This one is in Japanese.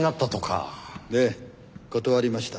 ええ断りました。